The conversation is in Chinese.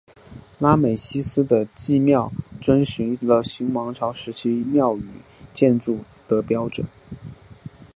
拉美西斯的祭庙遵循了新王朝时期庙与建筑的标准。